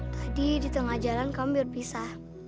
tadi di tengah jalan kamu biar bisa